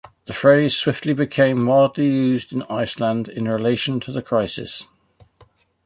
The phrase swiftly became widely used in Iceland in relation to the crisis.